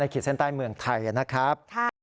ขีดเส้นใต้เมืองไทยนะครับ